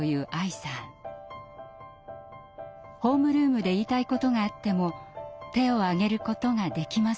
ホームルームで言いたいことがあっても手を挙げることができませんでした。